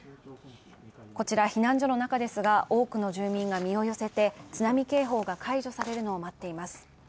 こちら避難所の中ですが、多くの住民が身を寄せて、津波警報が解除されるのを待っています。